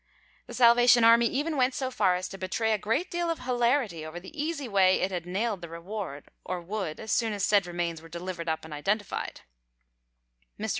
The Salvation Army even went so far as to betray a great deal of hilarity over the easy way it had nailed the reward, or would as soon as said remains were delivered up and identified. Mr.